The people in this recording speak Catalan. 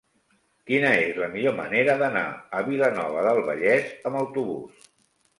Quina és la millor manera d'anar a Vilanova del Vallès amb autobús?